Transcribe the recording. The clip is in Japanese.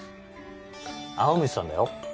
青虫さんだよ。